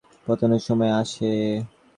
প্রত্যেকটা বিপ্লরের মাঝেই উত্থান-পতনের সময় আসে।